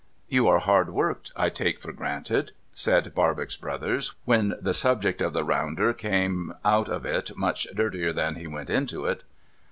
' You are hard worked, I take for granted ?' said Barbox Brothers, when the subject of the rounder came out of it much dirtier than he went into it.